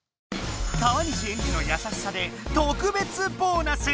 川西エンジのやさしさで特別ボーナス！